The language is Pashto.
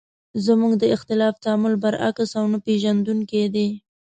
زموږ د اختلاف تعامل برعکس او نه پېژندونکی دی.